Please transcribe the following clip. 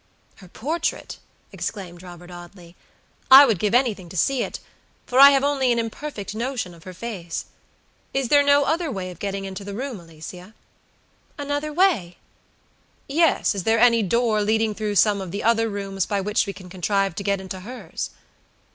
"Her portrait!" exclaimed Robert Audley. "I would give anything to see it, for I have only an imperfect notion of her face. Is there no other way of getting into the room, Alicia?" "Another way?" "Yes; is there any door, leading through some of the other rooms, by which we can contrive to get into hers?"